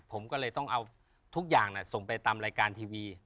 ผมก็เลยต้องเอาทุกอย่างส่งไปตามรายการทีวี